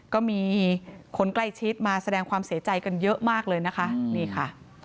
ก็มีคนใกล้ชิดมาแสดงความเสียใจกันเยอะมากเลยนะคะนี่ค่ะ